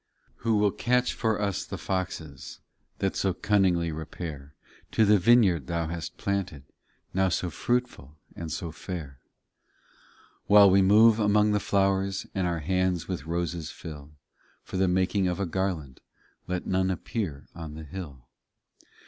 17 1 6 Who will catch for us the foxes That so cunningly repair To the vineyard Thou hast planted, Now so fruitful and so fair ? While we move among the flowers And our hands with roses fill, For the making of a garland Let none appear on the hill.